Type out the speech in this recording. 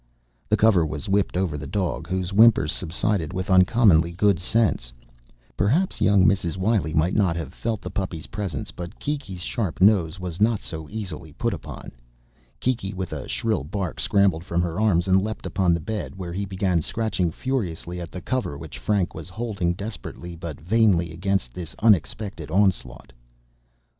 The cover was whipped over the dog, whose whimpers subsided with uncommonly good sense. Perhaps young Mrs. Wiley might not have felt the puppy's presence but Kiki's sharp nose was not so easily put upon. Kiki, with a shrill bark, scrambled from her arms and leaped upon the bed where he began scratching furiously at the cover which Frank was holding desperately but vainly against this unexpected onslaught.